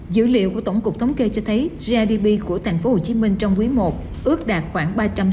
dữ liệu của tổng cục thống kê cho thấy grdp của thành phố hồ chí minh trong quý một ước đạt khoảng